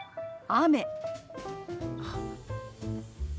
雨。